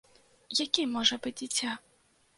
Якім можа быць дзіця?